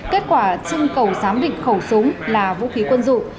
kết quả trưng cầu giám định khẩu súng là vũ khí quân dụng